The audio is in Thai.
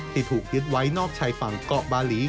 ที่ถูกยึดไว้นอกชายฝั่งเกาะบาหลี